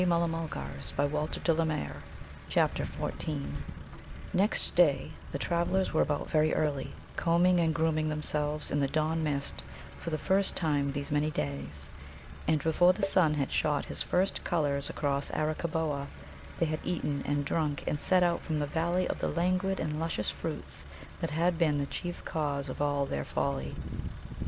CHAPTER XIV Next day the travellers were about very early, combing and grooming themselves in the dawn mist for the first time these many days, and before the sun had shot his first colours across Arakkaboa, they had eaten and drunk and set out from the valley of the languid and luscious fruits that had been the chief cause of all their folly.